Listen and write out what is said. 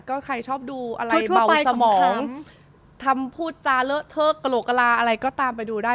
ก็ใครชอบดูอะไรทั่วไปสมองทำพูดจาเลอะเทอะกระโหลกกระลาอะไรก็ตามไปดูได้